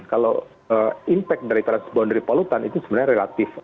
kalau impact dari transboundary pollutant itu sebenarnya relatif